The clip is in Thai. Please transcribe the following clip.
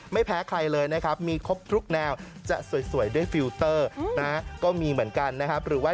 ไม่แพ้ใครเลยนะครับมีครบทุกแนวจะสวยด้วยฟิลเตอร์นะก็มีเหมือนกันนะครับ